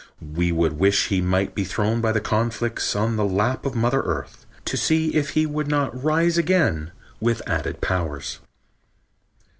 We would wish he might be thrown by conflicts on the lap of Mother Earth, to see if he would not rise again with added powers."